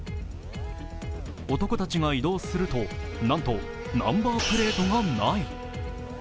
男たちが移動すると、なんとナンバープレートがない。